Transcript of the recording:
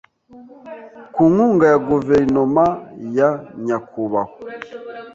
ku nkunga ya guverinoma ya nyakubahwa